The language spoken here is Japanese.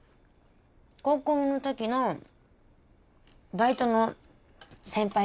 高校のときのバイトの先輩でね。